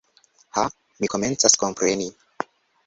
Ha, mi komencas kompreni.